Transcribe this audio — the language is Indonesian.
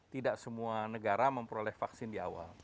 tidak semua negara memperoleh vaksin di awal